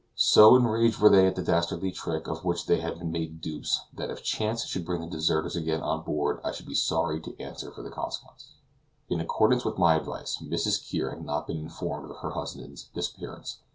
So enraged were they at the dastardly trick of which they had been made the dupes, that if chance should bring the deserters again on board I should be sorry to answer for the consequences. In accordance with my advice, Mrs. Kear has not been informed of her husband's disappearance.